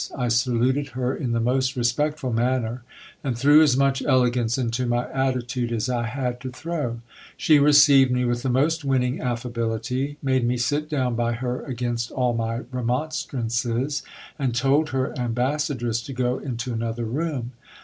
I saluted her in the most respectful manner, and threw as much elegance into my attitude as I had to throw. She received me with the most winning affability, made me sit down by her against all my remonstrances, and told her ambassadress to go into another room.